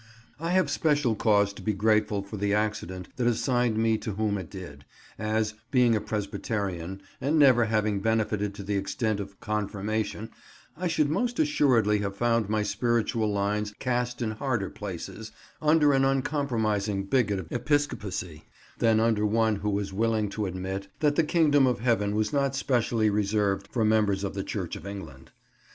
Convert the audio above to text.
I have special cause to be grateful for the accident that assigned me to whom it did, as, being a Presbyterian, and never having benefited to the extent of "confirmation," I should most assuredly have found my spiritual lines cast in harder places under an uncompromising bigot of Episcopacy, than under one who was willing to admit, that the kingdom of Heaven was not specially reserved for members of the Church of England.